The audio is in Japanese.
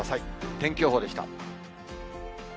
天気予報でした。